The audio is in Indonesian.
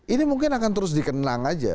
ini mungkin akan terus dikenang saja